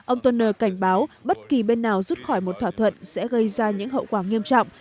ông tuner cảnh báo bất kỳ bên nào rút khỏi một thỏa thuận sẽ gây ra những hậu quả nghiêm trọng